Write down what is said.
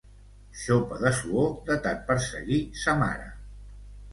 Xopa de suor de tant perseguir sa mare.